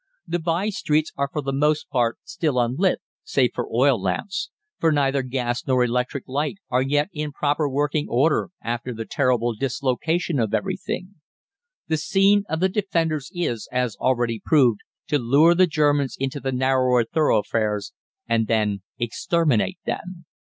The by streets are for the most part still unlit, save for oil lamps, for neither gas nor electric light are yet in proper working order after the terrible dislocation of everything. The scheme of the Defenders is, as already proved, to lure the Germans into the narrower thoroughfares, and then exterminate them.